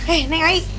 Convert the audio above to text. eh neng ai